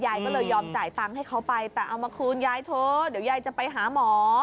ก็เลยยอมจ่ายตังค์ให้เขาไปแต่เอามาคืนยายเถอะเดี๋ยวยายจะไปหาหมอ